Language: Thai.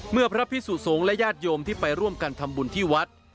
พระพิสุสงฆ์และญาติโยมที่ไปร่วมกันทำบุญที่วัด